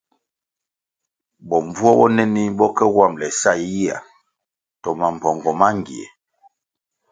Bombvuo bonenih bo ke wambʼle sa yiyihya to mambpongo mangie,